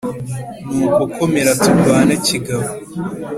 Nuko komera turwane kigabo